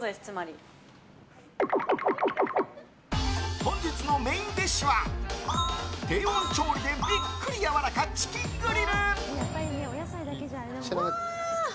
本日のメインディッシュは低温調理でびっくりやわらかチキングリル。